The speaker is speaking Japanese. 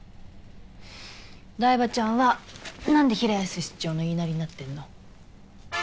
台場ちゃんはなんで平安室長の言いなりになってるの？